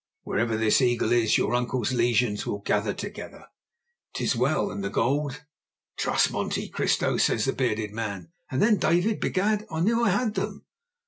Wherever this eagle is your uncle's legions will gather together." "'Tis well; and the gold?" "Trust Monte Cristo!" says the bearded man; and then, David, begad! I knew I had them!